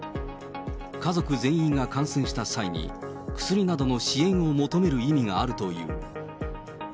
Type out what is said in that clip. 家族全員が感染した際に、薬などの支援を求める意味があるという。